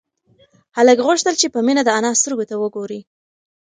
هلک غوښتل چې په مينه د انا سترگو ته وگوري.